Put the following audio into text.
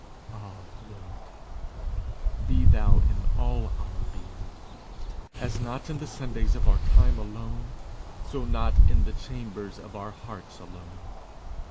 Ah Lord! be thou in all our being; as not in the Sundays of our time alone, so not in the chambers of our hearts alone.